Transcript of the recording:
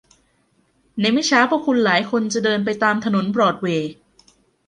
ในไม่ช้าพวกคุณหลายคนจะเดินไปตามถนนบรอดเวย์